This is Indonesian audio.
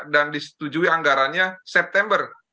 disetujui anggarannya september